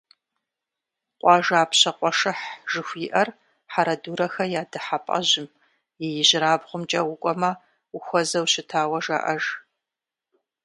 «Къуажапщэ къуэшыхь» жыхуиӀэр «Хьэрэдурэхэ я дыхьэпӀэжьым» и ижьырабгъумкӀэ укӀуэмэ, ухуэзэу щытауэ жаӀэж.